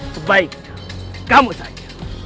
sebaiknya kamu saja